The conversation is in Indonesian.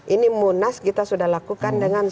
ini munas kita sudah lakukan dengan